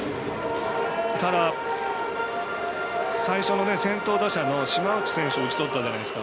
ただ、最初の先頭打者の島内選手を打ち取ったじゃないですか。